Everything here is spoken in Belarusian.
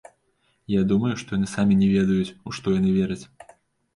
Я думаю, што яны самі не ведаюць, у што яны вераць.